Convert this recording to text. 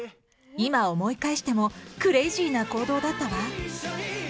今思い返してもクレイジーな行動だったわ。